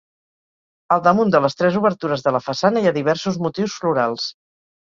Al damunt de les tres obertures de la façana hi ha diversos motius florals.